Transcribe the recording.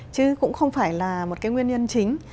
chứ cũng không phải là một nguyên nhân chính